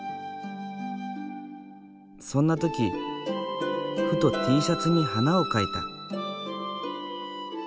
そんな時ふとＴシャツに花を描いた。